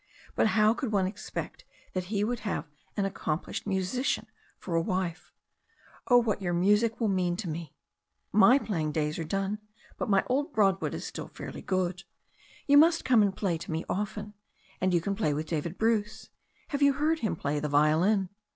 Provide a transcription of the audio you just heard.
But how could one expect that he would have an accomplished, musician for a wife. Oh, what your music will mean to me i 36 THE STORY OF A NEW ZEALAND RIVER My playing days are done, but my old Broadwood is still fairly good. You must come and play to me often. And you can play with David Bruce. Have you heard him play the violin?"